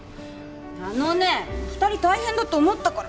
あのね二人大変だと思ったから